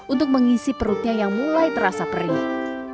untuk mengisi perutnya yang mulai terasa perih